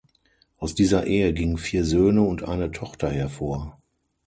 Aus dieser Ehe gingen vier Söhne und eine Tochter hervor.